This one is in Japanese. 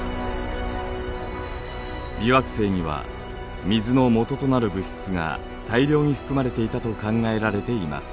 微惑星には水のもととなる物質が大量に含まれていたと考えられています。